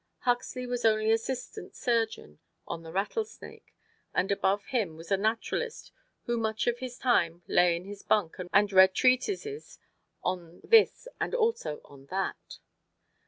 Huxley was only assistant surgeon on the "Rattlesnake," and above him was a naturalist who much of his time lay in his bunk and read treatises on this and also on that.